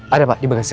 ada pak di bagasi saya